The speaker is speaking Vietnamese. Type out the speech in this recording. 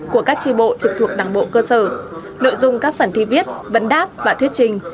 của các tri bộ trực thuộc đảng bộ cơ sở nội dung các phần thi viết vấn đáp và thuyết trình